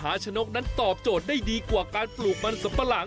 การเปลี่ยนแปลงในครั้งนั้นก็มาจากการไปเยี่ยมยาบที่จังหวัดก้าและสินใช่ไหมครับพี่รำไพ